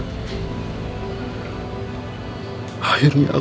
akhirnya aku menemukan kakak